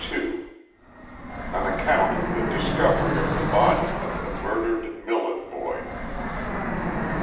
AX ACCOUNT OF THE DISCOVERT OF THE BODY OF TIIE MUR DERED MILLEN BOY.